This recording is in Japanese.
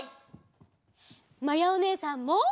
まやおねえさんも！